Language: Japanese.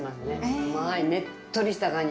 甘い、ねっとりした感じ。